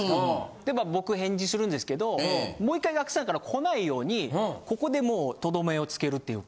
で僕返事するんですけどもう１回ＧＡＣＫＴさんから来ないようにここでもうとどめをつけるっていうか。